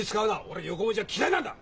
俺横文字は嫌いなんだ！